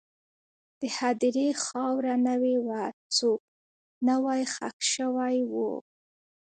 د هدیرې خاوره نوې وه، څوک نوی ښخ شوي وو.